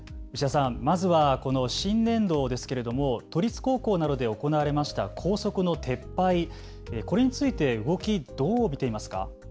まずは、新年度ですが都立高校などで行われました校則の撤廃、これについて動き、どう見ていますか。